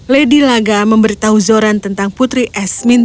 lady laga memberitahu zoran tentang putri esmin